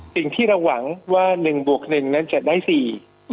สิ่งที่เราหวังว่า๑บวก๑นั้นจะได้๔